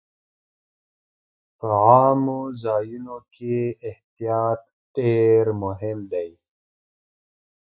په عامو ځایونو کې احتیاط ډېر مهم دی.